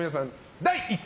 第１回